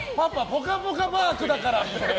ぽかぽかパークだからって。